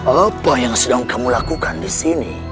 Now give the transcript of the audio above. apa yang sedang kamu lakukan di sini